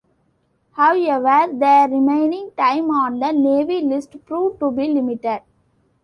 However, their remaining time on the navy list proved to be limited.